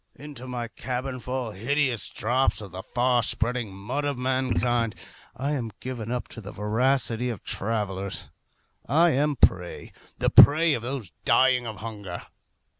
Into my cabin fall hideous drops of the far spreading mud of mankind. I am given up to the voracity of travellers. I am a prey the prey of those dying of hunger.